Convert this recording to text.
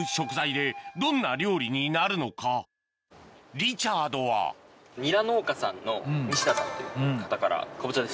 リチャードはニラ農家さんの西田さんという方からかぼちゃです。